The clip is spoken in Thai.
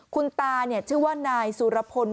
คุณตาชื่อว่านายสุรพล